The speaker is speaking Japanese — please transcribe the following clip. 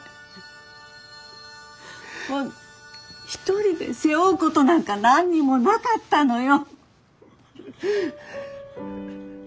一人で背負うことなんか何にもなかったのよ。